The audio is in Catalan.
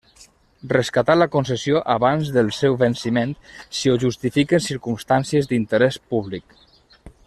Rescatar la concessió abans del seu venciment si ho justifiquen circumstàncies d'interès públic.